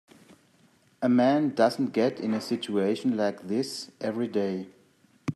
A man doesn't get in a situation like this every day.